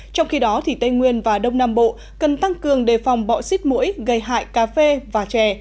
trong khi đó tây nguyên và đông nam bộ cần tăng cường đề phòng bọ xít mũi gây hại cà phê và chè